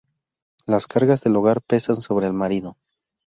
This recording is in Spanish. Las cargas del hogar pesan sobre el marido.